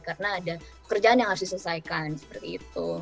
karena ada pekerjaan yang harus diselesaikan seperti itu